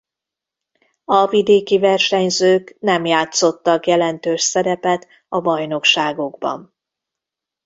A vidéki versenyzők nem játszottak jelentős szerepet a bajnokságokban.